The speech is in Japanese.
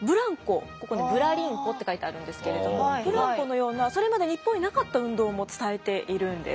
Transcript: ここ「ブラリンコ」って書いてあるんですけれどもブランコのようなそれまで日本になかった運動も伝えているんです。